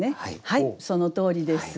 はいそのとおりです。